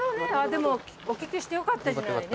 でもお聞きしてよかったじゃないね。